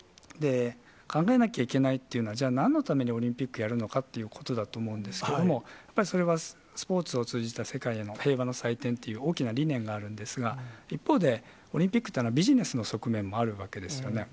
考えなきゃいけないというのは、じゃあ、なんのためにオリンピックやるのかっていうことだと思うんですけども、やはりそれはスポーツを通じた世界への平和の祭典っていう、大きな理念があるんですが、一方で、オリンピックっていうのはビジネスの側面もあるわけですよね。